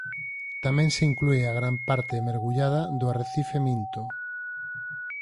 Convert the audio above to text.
Tamén se inclúe a gran parte mergullada do Arrecife Minto.